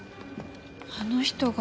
あの人が。